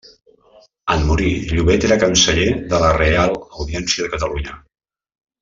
En morir, Llobet era canceller del Reial Audiència de Catalunya.